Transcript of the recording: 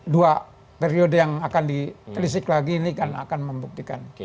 dua periode yang akan di krisik lagi ini akan membuktikan